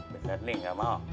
bener nih nggak mau